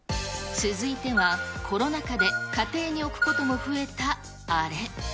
続いては、コロナ禍で家庭に置くことも増えたあれ。